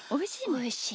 おいしい。